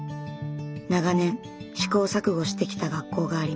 長年試行錯誤してきた学校があります。